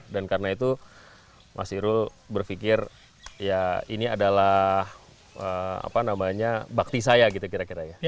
dan karena itu mas irul berfikir ya ini adalah bakti saya gitu kira kira ya